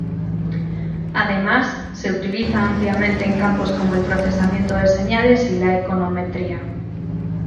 Además, se utiliza ampliamente en campos como el procesamiento de señales y la econometría.